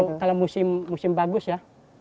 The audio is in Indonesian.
kalau musim bagus ya